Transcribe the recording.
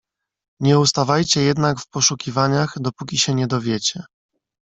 "Nie ustawajcie jednak w poszukiwaniach, dopóki się nie dowiecie."